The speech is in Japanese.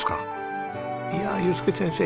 いやあ祐介先生